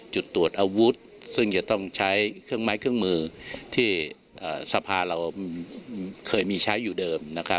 จุดตรวจอาวุธซึ่งจะต้องใช้เครื่องไม้เครื่องมือที่สภาเราเคยมีใช้อยู่เดิมนะครับ